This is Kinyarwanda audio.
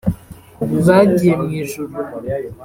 bagiye mu ijuru)